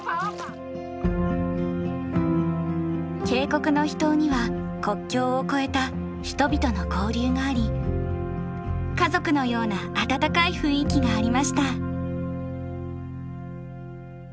渓谷の秘湯には国境を越えた人々の交流があり家族のような温かい雰囲気がありました。